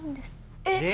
えっ！